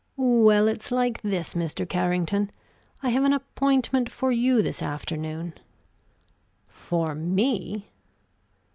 "Well, it's like this, Mr. Carrington: I have an appointment for you this afternoon." "For me?"